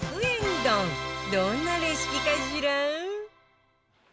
丼どんなレシピかしら？